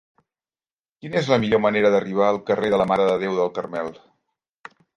Quina és la millor manera d'arribar al carrer de la Mare de Déu del Carmel?